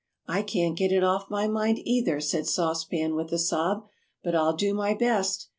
"I can't get it off my mind, either," said Sauce Pan, with a sob, "but I'll do my best.